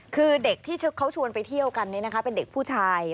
คือเด็กที่เขาชวนไปเที่ยวกันเป็นเด็กผู้ชาย